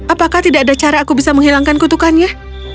apakah tidak ada cara aku bisa menghilangkan kutukannya